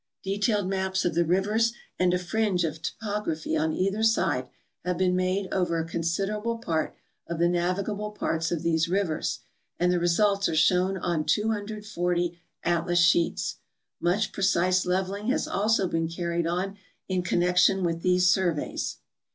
Detailed maps of the rivers and a fringe of topog raphy on either side have been made over a considerable part of the navigable parts of these rivers, and the results are shown on 240 atlas sheets. Much precise leveling has also been carried on in connection with these surve3^s.